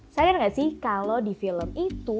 sayang gak sih kalau di film itu